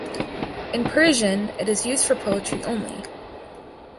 In Persian it is used for poetry only.